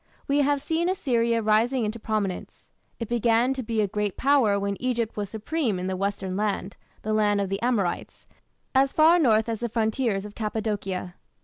We have seen Assyria rising into prominence. It began to be a great Power when Egypt was supreme in the "Western Land" (the land of the Amorites) as far north as the frontiers of Cappadocia.